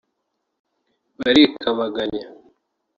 Barikabaganya